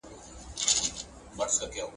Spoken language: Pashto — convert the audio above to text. نړیوالو راپورونو د افغانستان پرمختګونه ښودل.